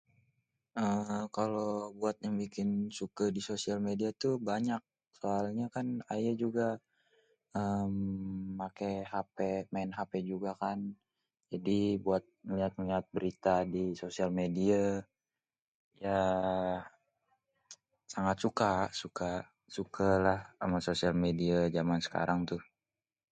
ehh..kalau buat yang bikin suke di social media tuh banyak kayanye kan aye juga hmm maen hp juga kan jadi buat ngiat-ngiat berita di social medie. yaaa sangat suka, sukalah sama social media. medie zaman sekarang tuh.